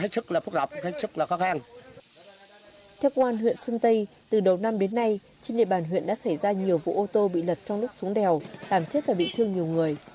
trên địa bàn huyện đã xảy ra nhiều vụ ô tô bị lật trong lúc xuống đèo làm chết và bị thương nhiều người